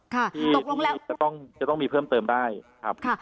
ค่ะตกลงแล้วจะต้องจะต้องมีเพิ่มเติมได้ครับค่ะ